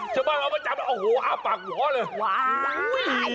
ชาวบ้านเอามาจำโอ้โหอ้าวปากหัวเลย